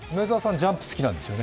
「ジャンプ」好きなんですよね？